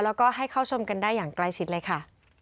แล้วก็ให้เข้าชมกันได้อย่างใกล้ชิดเลยค่ะ